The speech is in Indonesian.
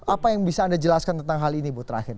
apa yang bisa anda jelaskan tentang hal ini bu terakhir